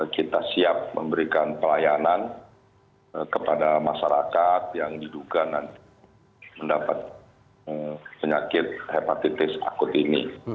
kita siap memberikan pelayanan kepada masyarakat yang diduga nanti mendapat penyakit hepatitis akut ini